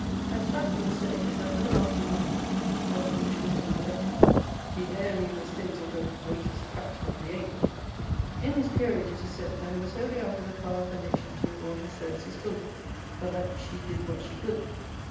At Strathfield Say is that everlasting monument of English Wisdom Collective, the Heir Loom Estate of the "greatest Captain of the Age!" In his peerage it is said, that it was wholly out of the power of the nation to reward his services fully; but, that "she did what she could!"